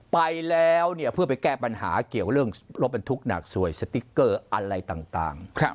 ไปแล้วเนี่ยเพื่อไปแก้ปัญหาเกี่ยวเรื่องรถบรรทุกหนักสวยสติ๊กเกอร์อะไรต่าง